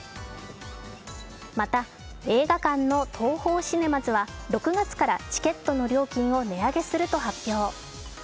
また、映画館のＴＯＨＯシネマズは６月からチケットの料金を値上げすると発表。